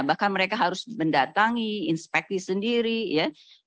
bahkan mereka harus mendatangi inspekti sendiri ya